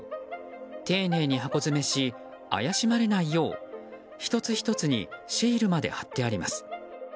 丁寧に箱詰めし怪しまれないよう１つ１つにシールまで貼ってあります。